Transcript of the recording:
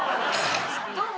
どうも。